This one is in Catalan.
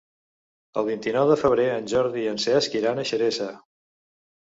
El vint-i-nou de febrer en Jordi i en Cesc iran a Xeresa.